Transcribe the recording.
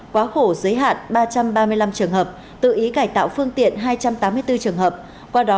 quá khổ giới hạn ba trăm ba mươi năm trường hợp tự ý cải tạo phương tiện hai trăm tám mươi bốn trường hợp qua đó